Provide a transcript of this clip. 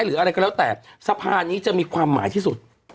หรืออะไรก็แล้วแต่สภานี้จะมีความหมายที่สุด